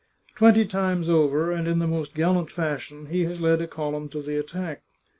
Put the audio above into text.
Twenty times over, and in the most gallant fashion, he has led a column to the attack.